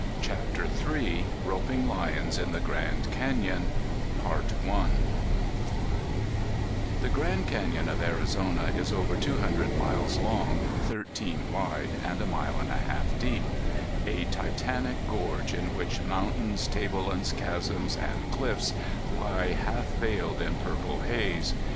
CHAPTER III ROPING LIONS IN THE GRAND CANYON I The Grand Canyon of Arizona is over two hundred miles long, thirteen wide, and a mile and a half deep; a titanic gorge in which mountains, tablelands, chasms and cliffs lie half veiled in purple haze.